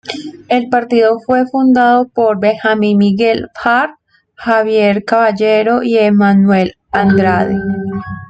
El partido fue fundado por Benjamín Miguel Harb, Javier Caballero y Emanuel Andrade.